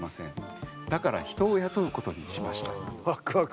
「だから人を雇うことにしました」。